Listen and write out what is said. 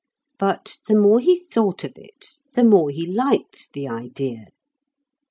But the more he thought of it, the more he liked the idea.